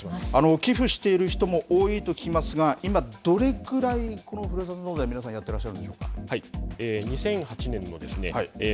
寄付している人も多いと聞きますが今どれくらいふるさと納税を皆さんやっていらっしゃるんでしょうか。